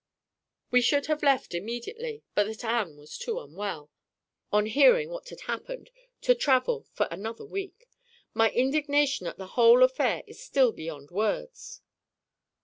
We should have left immediately, but that Anne was too unwell, on hearing what had happened, to travel for another week. My indignation at the whole affair is still beyond words."